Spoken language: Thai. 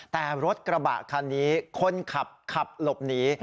แต่รถกระบะคันนี้คนขับขับหลบหนี